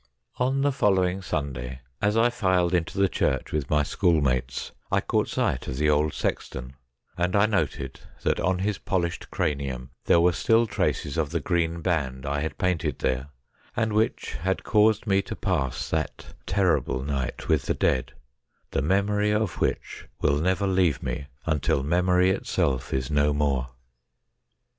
On the following Sunday, as I filed into the church with my schoolmates, I caught sight of the old sexton, and I noted that on his polished cranium there were still traces of the green band I had painted there, and which had caused me to pass that terrible night with the dead, the memory of which will never leave me until memory itself is no more.